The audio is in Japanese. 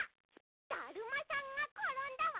だるまさんがころんだは？